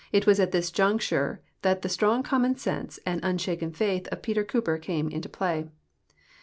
It Avas at thisjuncture that tlie strong common sense and unshaken faith of Peter Ctjoper came into ]>lay.